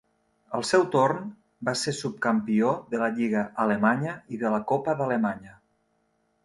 Al seu torn, va ser subcampió de la Lliga alemanya i de la Copa d'Alemanya.